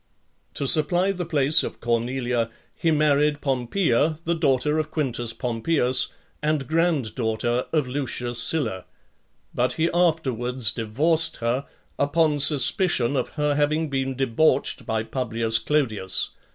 To supply the place of Cornelia, he married Pompeia, the daughter of Quintus Pompeius, and grand daughter of Lucius Sylla; but he afterwards divorced her, upon suspicion of her having been debauched by Publius Clodius.